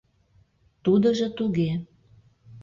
— Тудыжо туге...